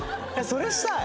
それしたい！